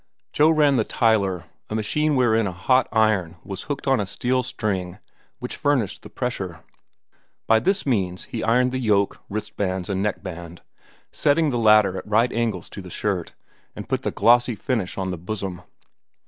Joe ran the tiler, a machine wherein a hot iron was hooked on a steel string which furnished the pressure. By this means he ironed the yoke, wristbands, and neckband, setting the latter at right angles to the shirt, and put the glossy finish on the bosom.